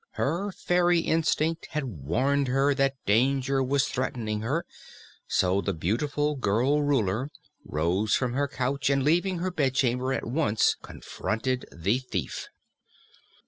Her fairy instinct had warned her that danger was threatening her, so the beautiful girl Ruler rose from her couch and leaving her bedchamber at once confronted the thief.